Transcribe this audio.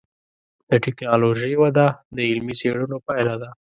د ټکنالوجۍ وده د علمي څېړنو پایله ده.